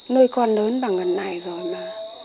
nuôi con lớn bằng gần này rồi mà